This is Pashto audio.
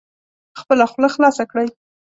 خپله خوله خلاصه کړئ